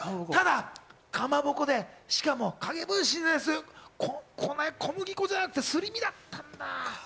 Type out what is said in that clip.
ただ、かまぼこで、影分身で、小麦粉じゃなくて、すり身だった。